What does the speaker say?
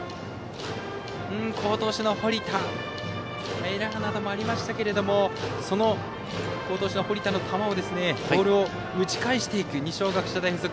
好投手の堀田エラーなどもありましたけどその好投手の堀田のボールを打ち返していく二松学舎大付属